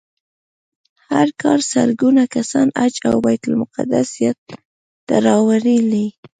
هر کال سلګونه کسان حج او بیت المقدس زیارت ته راولي.